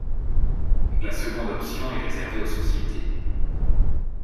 La seconde option est réservée aux sociétés.